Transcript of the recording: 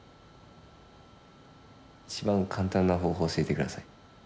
一番簡単な方法を教えてください。